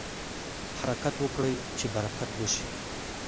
حرکت وکړئ چې برکت وشي.